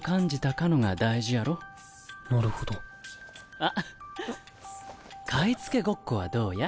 あっ買い付けごっこはどうや？